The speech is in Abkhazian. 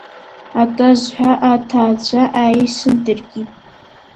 Атазҳа аҭаацәа ааисын дыркит.